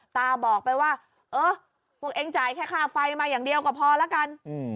ตาบอกไปว่าเออพวกเองจ่ายแค่ค่าไฟมาอย่างเดียวก็พอละกัน